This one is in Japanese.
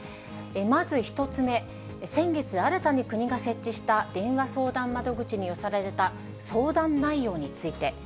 まず１つ目、先月、新たに国が設置した電話相談窓口に寄せられた相談内容について。